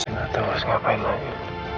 saya tidak tahu harus ngapain lagi